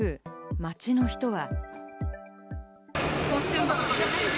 街の人は。